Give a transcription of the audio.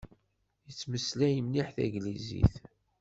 Yettmeslay mliḥ taglizit.